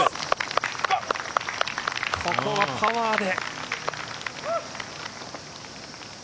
ここはパワーで。